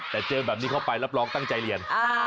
แต่เจอแบบนี้เข้าไปรับรองตั้งใจเรียน